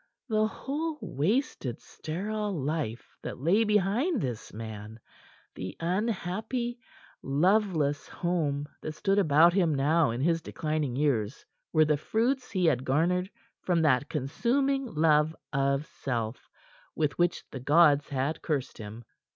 The whole wasted, sterile life that lay behind this man; the unhappy, loveless home that stood about him now in his declining years were the fruits he had garnered from that consuming love of self with which the gods had cursed him.